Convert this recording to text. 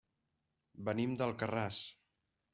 Venim d'Alcarràs.